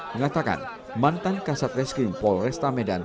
mengatakan mantan kasat reskrim polresta medan